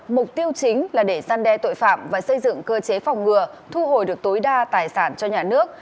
mục tiêu chính là để gian đe tội phạm và xây dựng cơ chế phòng ngừa thu hồi được tối đa tài sản cho nhà nước